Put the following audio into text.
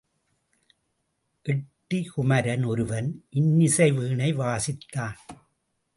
எட்டி குமரன், ஒருவன் இன்னிசை வீணை வாசித்தான்.